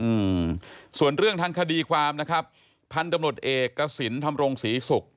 อืมส่วนเรื่องทางคดีความนะครับพันธุ์ตำรวจเอกกระสินทำรงศรีศุกร์